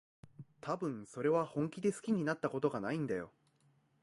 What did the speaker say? たぶん、それは本気で好きになったことがないんだよ。